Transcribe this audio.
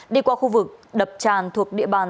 đi qua khu vực đập tràn thuộc địa bàn